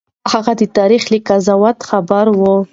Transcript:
هغه د تاريخ له قضاوت خبر و.